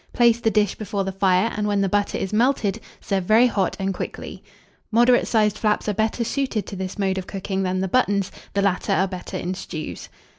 Place the dish before the fire, and when the butter is melted, serve very hot and quickly. Moderate sized flaps are better suited to this mode of cooking than the buttons: the latter are better in stews.